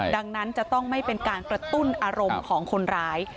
ดังนั้นจะต้องไม่เป็นการกระตุ้นอารมณ์ของคนร้าย